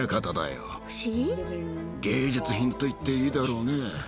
芸術品といっていいだろうね。